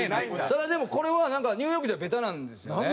ただでもこれはなんかニューヨークではベタなんですよね。